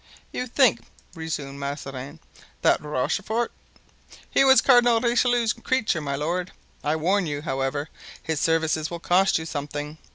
"You think," resumed Mazarin, "that Rochefort——" "He was Cardinal Richelieu's creature, my lord. I warn you, however, his services will cost you something.